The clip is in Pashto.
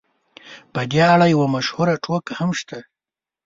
په دې اړه یوه مشهوره ټوکه هم شته.